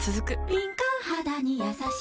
敏感肌にやさしい